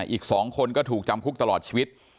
อีก๒คนก็ถูกจำคุกตลอดชีวิต